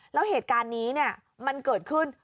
แล้วเหตุการณ์นี้มันเกิดขึ้น